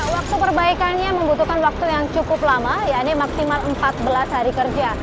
waktu perbaikannya membutuhkan waktu yang cukup lama yaitu maksimal empat belas hari kerja